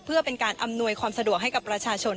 เพื่อเป็นการอำนวยความสะดวกให้กับประชาชน